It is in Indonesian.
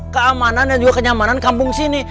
keamanan dan juga kenyamanan kampung sini